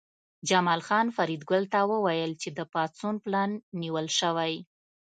جمال خان فریدګل ته وویل چې د پاڅون پلان نیول شوی